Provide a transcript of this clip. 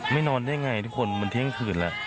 นอนได้ไงทุกคนมันเที่ยงคืนแล้ว